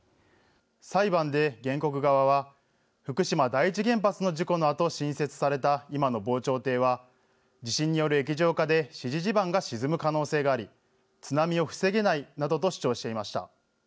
裁判で原告側は、福島第一原発の事故のあと新設された今の防潮堤は、地震による液状化で支持地盤が沈む可能性があり、津波を防げないなどと主張していました。